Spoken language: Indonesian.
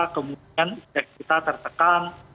kemudian risk kita tertekan